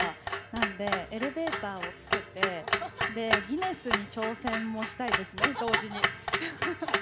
なんで、エレベーターをつけて、で、ギネスに挑戦もしたいですね、同時に。